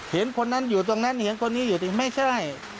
เห็นคนนั้นอยู่ตรงนั้นเห็นคนนี้อยู่ดีไม่ใช่